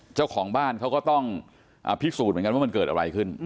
เจ้าของบ้านเขาก็ต้องพิสูจน์เหมือนกันว่ามันเกิดอะไรขึ้น